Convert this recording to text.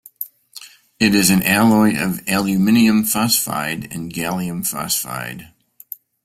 It is an alloy of aluminium phosphide and gallium phosphide.